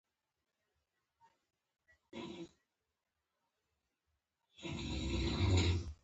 زه په یوه تیاره غار کې وم.